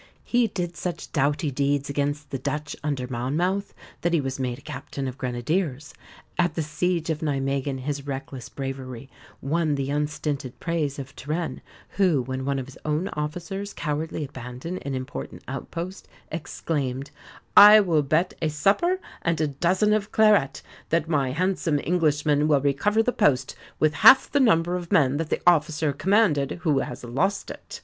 He did such doughty deeds against the Dutch, under Monmouth, that he was made a Captain of Grenadiers. At the siege of Nimeguen his reckless bravery won the unstinted praise of Turenne, who, when one of his own officers cowardly abandoned an important outpost, exclaimed, "I will bet a supper and a dozen of claret that my handsome Englishman will recover the post with half the number of men that the officer commanded who has lost it."